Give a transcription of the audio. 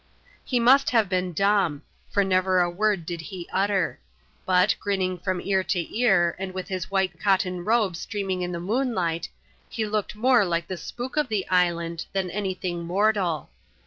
He must have been dumb; for never a word did he utter; but, grinning from ear to ear, and with his white cotton robe streaming in the moonlight, he looked more like the spook of the island than any thing mortal.